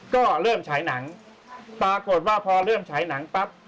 ก็เริ่มฉายหนังปรากฏว่าพอเริ่มฉายหนังปั๊บ